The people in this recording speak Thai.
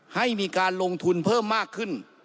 ให้มีการลงทุนเพิ่มมากขึ้น